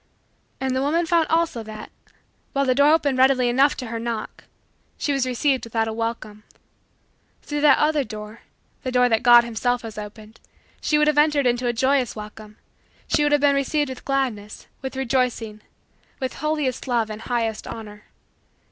And the woman found also that, while the door opened readily enough to her knock, she was received without a welcome. Through that other door, the door that God himself has opened, she would have entered into a joyous welcome she would have been received with gladness, with rejoicing, with holiest love, and highest honor.